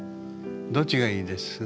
どっちがいいです？